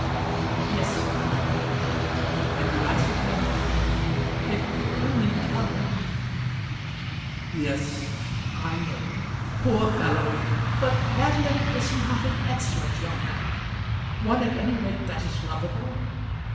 "Yes, mamma." "And you answered him " "I could only tell him " "Yes, I know. Poor fellow! But, Madeline, is he not an excellent young man; one, at any rate, that is lovable?